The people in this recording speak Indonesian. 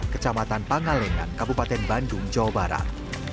kecamatan pangalengan kabupaten bandung jawa barat